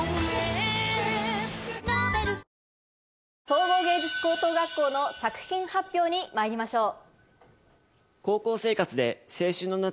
総合芸術高等学校の作品発表にまいりましょう。